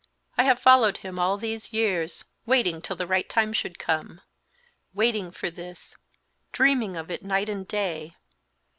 I have followed him all these years, waiting till the right time should come, waiting for this, dreaming of it night and day!